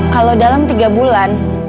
kalau dalam tiga bulan